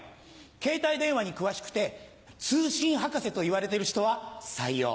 携帯電話に詳しくて通信博士といわれてる人は採用。